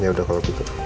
ya udah kalau gitu